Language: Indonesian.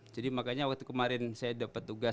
jadi makanya waktu kemarin saya dapat tugas